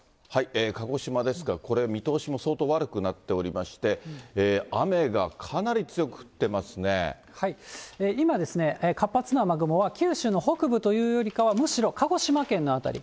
鹿児島ですが、これ、見通しも相当悪くなっておりまして、今、活発な雨雲は九州の北部というよりかはむしろ鹿児島県の辺り。